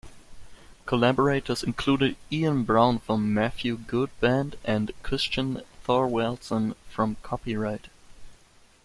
Collaborators included Ian Brown from Matthew Good Band and Christian Thor-Valdson from Copyright.